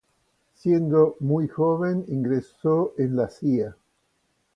Siendo muy joven ingresó en la Cía.